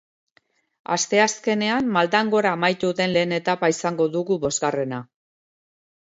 Asteazkenean maldan gora amaituko den lehen etapa izango dugu bosgarrena.